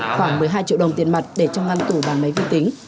khoảng một mươi hai triệu đồng tiền mặt để cho ngăn tủ bằng máy vi tính